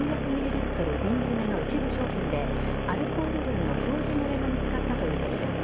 瓶詰の一部商品でアルコール分の表示漏れが見つかったということです。